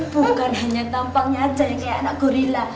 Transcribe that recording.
bukan hanya tampangnya aja yang kayak anak gorilla